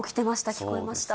聞こえました。